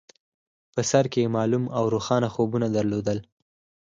په سر کې يې معلوم او روښانه خوبونه درلودل.